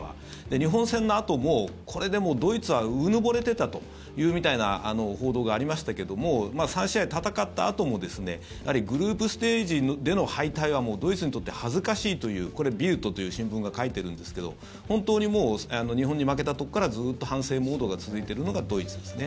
日本戦のあともこれ、でも、ドイツはうぬぼれてたというみたいな報道がありましたけども３試合戦ったあともグループステージでの敗退はドイツにとって恥ずかしいというこれはビルトという新聞が書いてるんですけど本当にもう日本に負けたとこからずっと反省モードが続いているのがドイツですね。